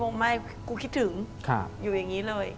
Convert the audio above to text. งงไม่กูคิดถึงอยู่อย่างนี้เลย